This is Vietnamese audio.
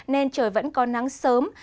nên trời vẫn có nắng sớm